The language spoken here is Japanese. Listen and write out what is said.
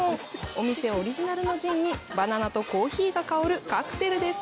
お店オリジナルのジンにバナナとコーヒーが香るカクテルです。